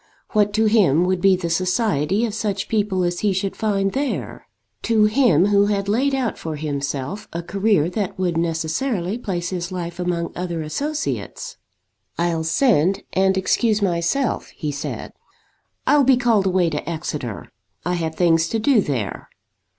What to him would be the society of such people as he should find there, to him who had laid out for himself a career that would necessarily place his life among other associates? "I'll send and excuse myself," he said. "I'll be called away to Exeter. I have things to do there.